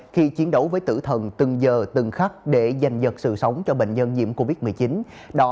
khi chiến đấu với tử thần từng giờ từng khắc để giành nhật sự sống cho bệnh nhân nhiễm covid một mươi chín